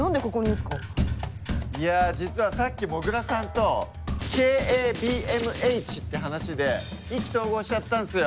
いや実はさっきもぐらさんとＫＡＢＭＨって話で意気投合しちゃったんすよ。